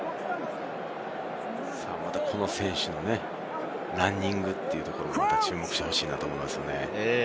またこの選手のね、ランニングというところ、注目してほしいと思います。